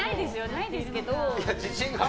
ないですけど。